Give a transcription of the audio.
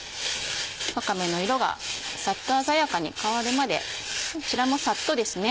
わかめの色がサッと鮮やかに変わるまでこちらもサッとですね